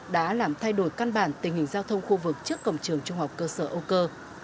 đã làm thay đổi căn bản tình hình giao thông khu vực trước cổng trường trung học cơ sở âu cơ